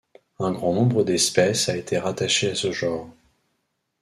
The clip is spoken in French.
Un grand nombre d'espèces a été rattaché à ce genre.